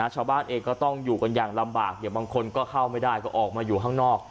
ชาวบ้านเองก็ต้องอยู่กันอย่างลำบากบางคนก็เข้าไม่ได้ก็ออกมาอยู่ข้างนอก